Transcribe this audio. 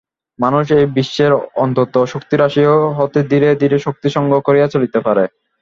মানুষ এই বিশ্বের অনন্ত শক্তিরাশি হইতে ধীরে ধীরে শক্তি সংগ্রহ করিয়া চলিতে পারে।